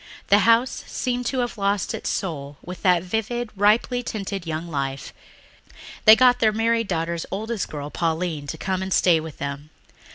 The house seemed to have lost its soul with that vivid, ripely tinted young life. They got their married daughter's oldest girl, Pauline, to come and stay with them.